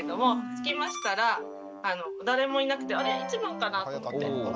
着きましたら誰もいなくて「あれ１番かな？」と思って待ってました。